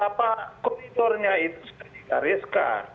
tapi apa konditornya itu sudah digariskan